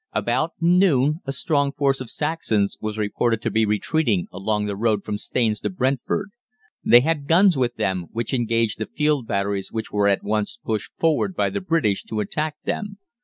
About noon a strong force of Saxons was reported to be retreating along the road from Staines to Brentford. They had guns with them, which engaged the field batteries which were at once pushed forward by the British to attack them.